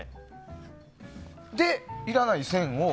それで、いらない線を。